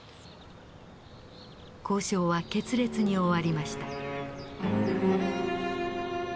交渉は決裂に終わりました。